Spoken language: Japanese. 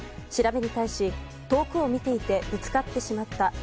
調べに対し、遠くを見ていてぶつかってしまった。